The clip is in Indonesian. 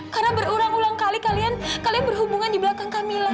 karena berurang ulang kali kali kalian berhubungan di belakang kamila